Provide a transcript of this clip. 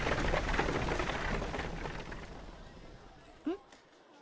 ん？